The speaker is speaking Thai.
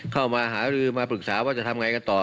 เข้ามาหารือมาปรึกษาว่าจะทำไงกันต่อ